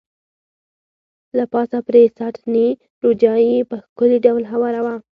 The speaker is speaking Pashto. له پاسه پرې ساټني روجايي په ښکلي ډول هواره وه.